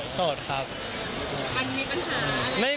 โสดครับ